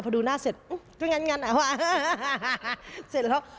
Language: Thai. พอดูหน้าเสร็จเอ๊ะก็งั้นอะว่าฮ่าเสร็จแล้ว